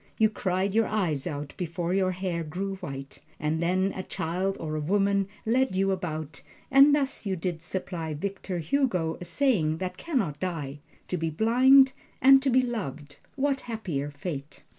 You cried your eyes out before your hair grew white, and then a child or a woman led you about; and thus did you supply Victor Hugo a saying that can not die: "To be blind and to be loved what happier fate!"